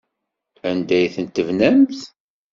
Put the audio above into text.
Anda ay tent-tebnamt?